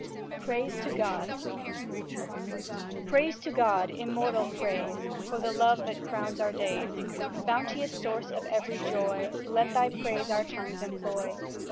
PRAISE TO GOD Praise to God, immortal praise, For the love that crowns our days Bounteous source of every joy, Let Thy praise our tongues employ!